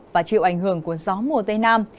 và chịu ảnh hưởng của gió mùa tây nam